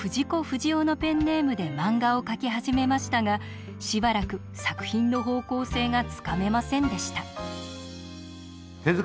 不二雄のペンネームで漫画を描き始めましたがしばらく作品の方向性がつかめませんでした。